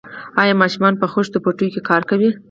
آیا ماشومان په خښتو بټیو کې کار کوي؟